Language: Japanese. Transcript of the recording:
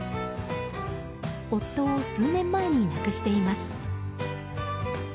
夫を数年前に亡くしています。